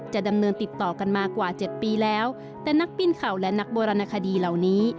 ดำเนินติดต่อกันมากว่าเจ็ดปีแล้วแต่นักปิ้นเข่าและนักโบราณคดีเหล่านี้